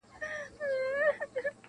په غاښونو یې ورمات کړله هډوکي-